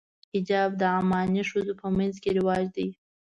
حجاب د عماني ښځو په منځ کې رواج دی.